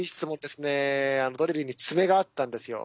ドリルに爪があったんですよ。